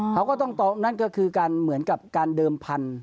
เขาก็ต้องนั่นก็คือการเหมือนกับการเดิมพันธุ